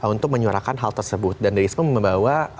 untuk menyuarakan hal tersebut dan dari itu membawa